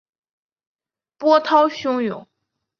波涛汹涌